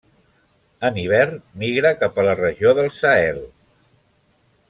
En hivern migra cap a la regió del Sahel.